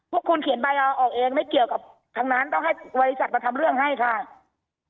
พวกคุณเขียนใบเอาออกเองไม่เกี่ยวกับทั้งนั้นต้องให้บริษัทมาทำเรื่องให้ค่ะ